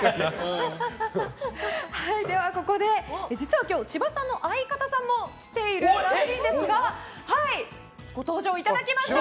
ここで実は今日千葉さんの相方さんも来ているそうですがご登場いただきましょう！